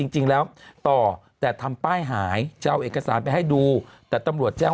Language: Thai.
จริงแล้วต่อแต่ทำป้ายหายจะเอาเอกสารไปให้ดูแต่ตำรวจแจ้ง